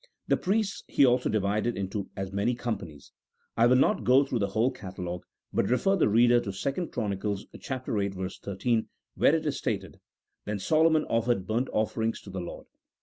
The priests he also divided into as many companies ; I will not go through the whole catalogue, but refer the reader to 2 Chron. viii. 13, where it is stated, " Then Solomon offered burnt offerings to the Lord